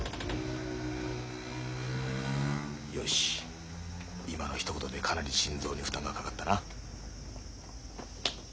よし今のひと言でかなり心臓に負担がかかったな。